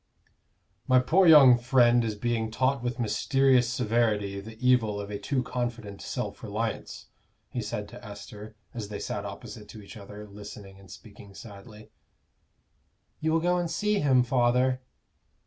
"My poor young friend is being taught with mysterious severity the evil of a too confident self reliance," he said to Esther, as they sat opposite to each other, listening and speaking sadly. "You will go and see him, father?"